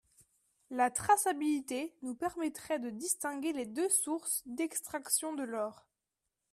La traçabilité nous permettrait de distinguer les deux sources d’extraction de l’or.